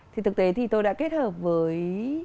thì thực tế thì tôi đã kết hợp với